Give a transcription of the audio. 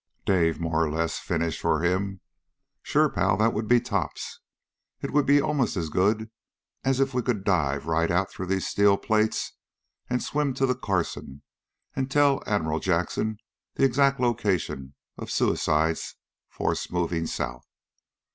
Dave more or less finished for him. "Sure, pal, that would be tops. It would be almost as good as if we could dive right out through these steel plates and swim to the Carson and tell Admiral Jackson the exact location of Suicide's force moving south."